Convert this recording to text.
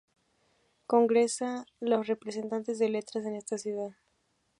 Congrega los representantes de Letras en esta ciudad.